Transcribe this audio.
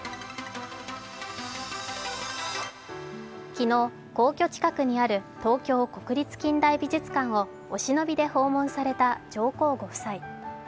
昨日、皇居近くにある東京国立近代美術館をお忍びで訪問された上皇ご夫妻。